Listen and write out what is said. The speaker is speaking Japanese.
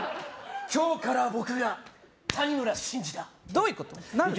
今日から僕が谷村新司だどういうこと？なるの？